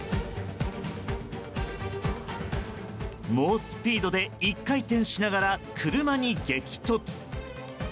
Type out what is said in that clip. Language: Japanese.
猛スピードで１回転しながら車に激突。